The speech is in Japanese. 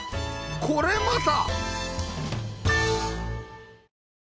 これまた！